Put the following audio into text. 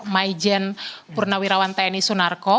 maijen purnawirawan tni sunarko